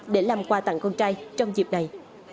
để làm quà tặng con trai trong dịp này